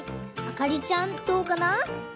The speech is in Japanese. あかりちゃんどうかな？